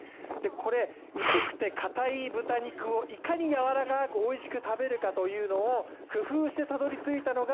これ、薄くてかたい豚肉をいかにやわらかくおいしく食べるかというのを工夫してたどりついたのが